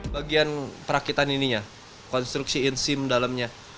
bagian perakitan ininya konstruksi in seam dalamnya